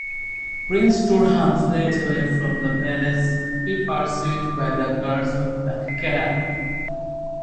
Prince Turhan fled away from the palace, be pursued by the guards of Bakaar.